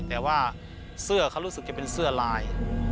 แต่ว่าเสื้อเขารู้สึกจะเป็นเสื้อลาย